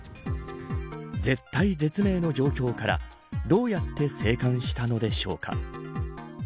絶体絶命の状況からどうやって生還したのでしょうか。